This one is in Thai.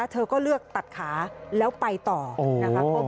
เธอก็เลือกตัดขาแล้วไปต่อนะคะ